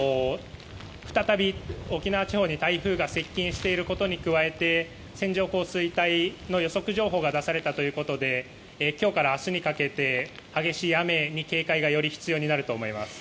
再び沖縄地方に台風が接近していることに加えて線状降水帯の予測情報が出されたということで今日から明日にかけて激しい雨に警戒がより必要になると思います。